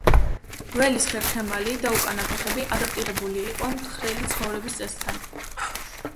გველის ხერხემალი და უკანა ფეხები ადაპტირებული იყო მთხრელი ცხოვრების წესთან.